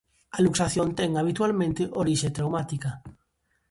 A luxación ten, habitualmente, orixe traumática.